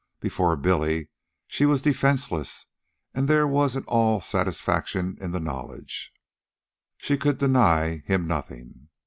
Before Billy she was defenseless, and there was an all satisfaction in the knowledge. She could deny him nothing.